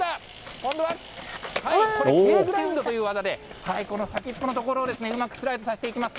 今度は、はい、これ、という技で、この先っぽの所をうまくスライドさせていきます。